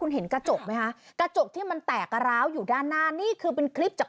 เห็นกระจกไหมคะกระจกที่มันแตกร้าวอยู่ด้านหน้านี่คือเป็นคลิปจาก